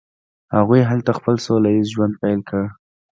هغوی هلته خپل سوله ایز ژوند پیل کړ.